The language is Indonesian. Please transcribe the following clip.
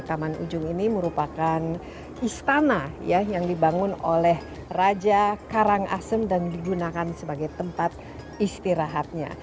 taman ujung ini merupakan istana yang dibangun oleh raja karangasem dan digunakan sebagai tempat istirahatnya